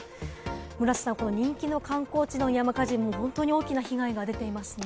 村瀬さん、人気の観光地の山火事、本当に大きな被害が出ていますね。